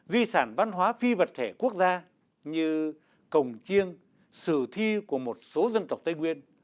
di sản văn hóa phi vật thể quốc gia như cồng chiêng sử thi của một số dân tộc tây nguyên